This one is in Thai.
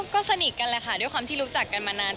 ก็สนิทกันแหละค่ะด้วยความที่รู้จักกันมานาน